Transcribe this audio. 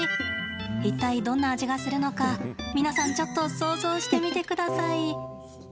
いったい、どんな味がするのか皆さん、ちょっと想像してみてください。